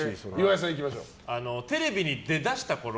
テレビに出だしたころ